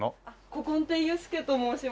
古今亭佑輔と申します。